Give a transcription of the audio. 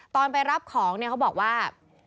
ตอนไปรับของเขาบอกว่า